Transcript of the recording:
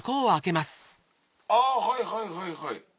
あっはいはいはいはい。